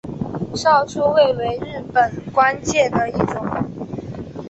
少初位为日本官阶的一种。